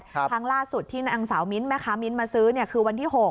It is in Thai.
ครั้งล่าสุดที่นางสาวมิ้นท์แม่ค้ามิ้นมาซื้อคือวันที่๖